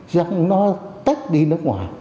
rằng nó tách đi nước ngoài